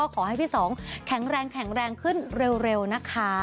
ขอให้พี่๒แข็งแรงขึ้นเร็วค่ะ